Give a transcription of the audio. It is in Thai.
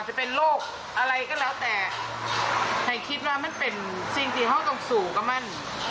จะเป็นโรคอะไรก็แล้วแต่ให้คิดว่ามันเป็นสิ่งที่ห้องตรงสู่ก็มั่น